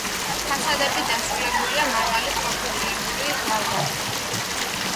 ფასადები დასრულებულია მაღალი, პროფილირებული ლავგარდნით.